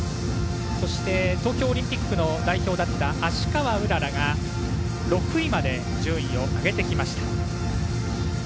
そして、東京オリンピックの代表だった芦川うららが６位まで順位を上げてきました。